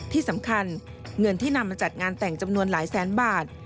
ที่สำคัญเงินที่นำมาจัดงานแต่งจำนวนหลายแสนบาท